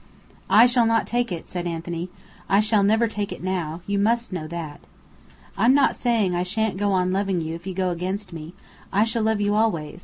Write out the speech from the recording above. "I shall not take it," said Anthony, "I shall never take it now. You must know that." "I'm not saying I shan't go on loving you if you go against me. I shall love you always.